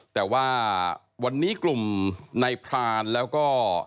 แต่ว่าวันนี้กลุ่มในพรานแล้วก็